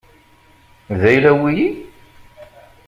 D ayla-w wiyi?